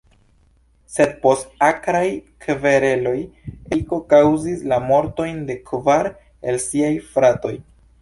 Sed post akraj kvereloj Eriko kaŭzis la mortojn de kvar el siaj fratoj.